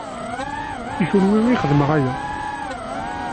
I kenwi i xedmeɣ aya.